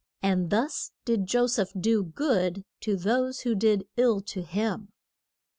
And thus did Jo seph do good to those who did ill to him.